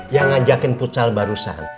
yang ngajakin pucal barusan